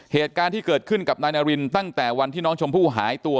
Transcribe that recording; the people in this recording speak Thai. เหตุการณ์ที่เกิดขึ้นกับนายนารินตั้งแต่วันที่น้องชมพู่หายตัว